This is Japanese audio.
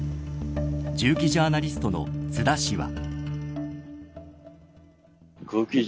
銃器ジャーナリストの津田氏は。